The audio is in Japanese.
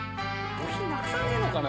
部品なくさねぇのかな